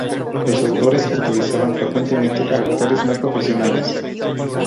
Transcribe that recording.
Los autores utilizaban frecuentemente a actores no profesionales.